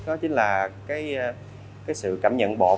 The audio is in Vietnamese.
đó chính là cái sự cảm nhận bột